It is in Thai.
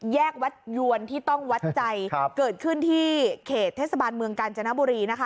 แยกวัดยวนที่ต้องวัดใจเกิดขึ้นที่เขตเทศบาลเมืองกาญจนบุรีนะคะ